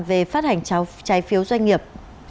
về phát hành trái phiếu doanh nghiệp